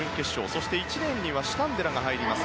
そして１レーンにはシュタンデラが入ります。